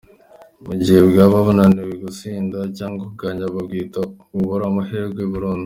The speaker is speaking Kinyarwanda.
Mu gihe bwaba bunaniwe gutsinda cyangwa kunganya bwahita bubura amahirwe burundu.